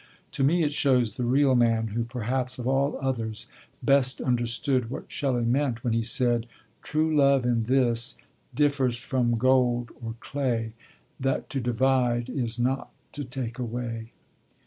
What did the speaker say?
To me it shows the real man, who perhaps of all others best understood what Shelley meant when he said: True love in this differs from gold or clay, That to divide is not to take away.